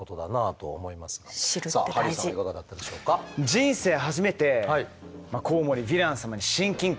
人生初めてコウモリヴィラン様に親近感を覚えましたね。